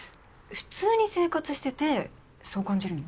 普通に生活しててそう感じるの？